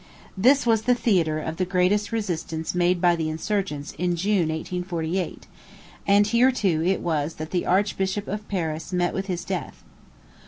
This was the theatre of the greatest resistance made by the insurgents in June, 1848; and here, too, it was that the Archbishop of Paris met with his death.